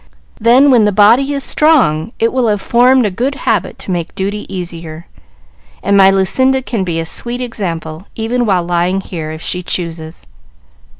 Then, when the body is strong, it will have formed a good habit to make duty easier; and my Lucinda can be a sweet example, even while lying here, if she chooses."